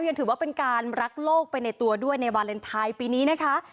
ยังถือว่าเป็นการรักโลกไปในตัวด้วยในวาเลนไทยปีนี้นะคะ